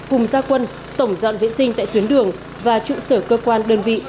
cùng gia quân tổng dọn vệ sinh tại tuyến đường và trụ sở cơ quan đơn vị